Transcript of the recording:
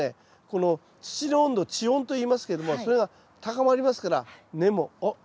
この土の温度地温といいますけどもそれが高まりますから根も「おっ！」